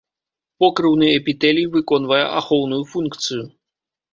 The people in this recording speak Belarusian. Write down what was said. Покрыўны эпітэлій выконвае ахоўную функцыю.